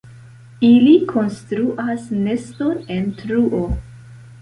Ili konstruas neston en truo.